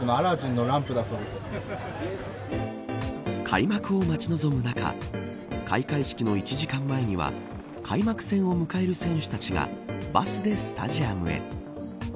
開幕を待ち望む中開会式の１時間前には開幕戦を迎える選手たちがバスでスタジアムへ。